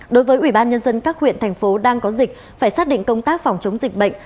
đối với ubnd các huyện thành phố đang có dịch phải xác định công tác phòng chống dịch bệnh